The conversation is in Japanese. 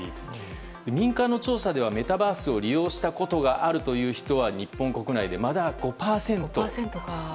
民間の調査ではメタバースを利用したことがある人は日本国内でまだ５％だそうです。